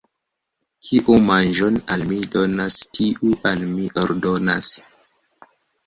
Kiu manĝon al mi donas, tiu al mi ordonas.